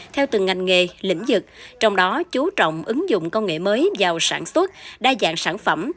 theo từng ngành nghề lĩnh vực trong đó chú trọng ứng dụng công nghệ mới vào sản xuất đa dạng sản phẩm